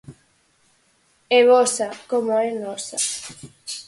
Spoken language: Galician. É vosa, como é nosa.